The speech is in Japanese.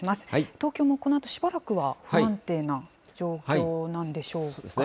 東京もこのあとしばらくは不安定な状況なんでしょうかね。